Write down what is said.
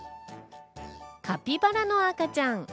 カピバラの赤ちゃん。